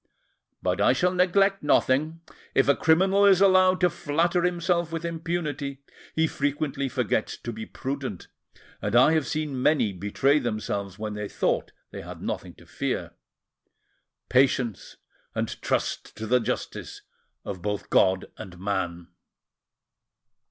But I shall neglect nothing: if a criminal is allowed to flatter himself with impunity, he frequently forgets to be prudent, and I have seen many betray themselves when they thought they had nothing to fear. Patience, and trust to the justice of both God and man."